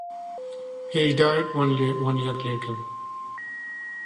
He died one year later.